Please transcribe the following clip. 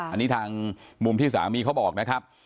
อันนี้ทางมุมที่สามีเขาบอกนะครับ